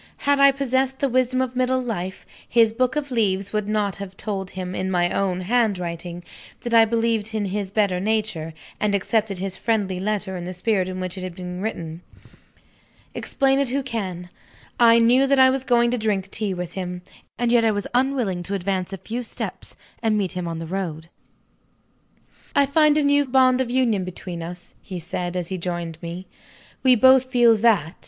Had I possessed the wisdom of middle life, his book of leaves would not have told him, in my own handwriting, that I believed in his better nature, and accepted his friendly letter in the spirit in which he had written. Explain it who can I knew that I was going to drink tea with him, and yet I was unwilling to advance a few steps, and meet him on the road! "I find a new bond of union between us," he said, as he joined me. "We both feel _that.